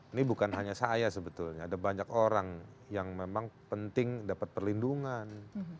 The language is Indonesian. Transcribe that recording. ini bukan hanya saya sebetulnya ada banyak orang yang memang penting dapat perlindungan